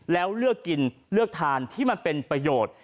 แล้วเลือกกินเลือกทานที่มันเป็นประโยชน์